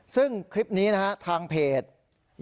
ซึ่งคลิปนี้นะฮะทางเพจ